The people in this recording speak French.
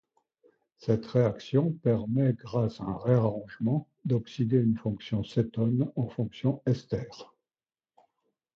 Cette réaction permet, grâce à un réarrangement, d'oxyder une fonction cétone en fonction ester.